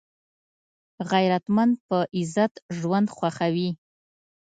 غیرتمند په عزت ژوند خوښوي